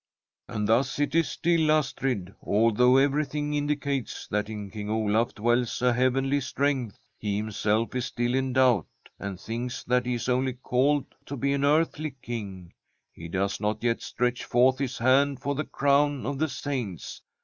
' And thus it is still, Astrid. Although every thing indicates that in King Olaf dwells a heavenly strength, he himself is still in doubt, and thinks that he is only called to be an earthly King. He does not yet stretch forth his hand for the crown of the saints.